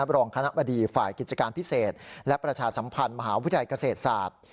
รองคณะบดีฝ่ายกิจการพิเศษและประชาสัมพันธ์มหาวิทยาลัยเกษตรศาสตร์